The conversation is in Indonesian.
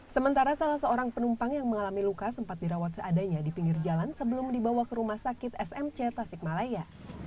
sementara salah seorang penumpang yang mengalami luka sempat dirawat seadanya di pinggir jalan sebelum dibawa ke rumah sakit smc tasikmalaya